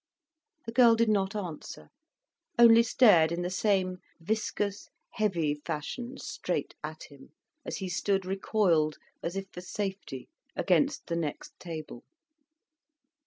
The girl did not answer, only stared in the same viscous, heavy fashion, straight at him, as he stood recoiled, as if for safety, against the next table.